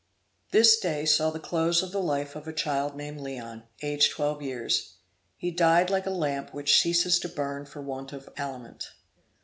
This same day saw the close of the life of a child named Leon, aged twelve years. He died like a lamp which ceases to burn for want of aliment.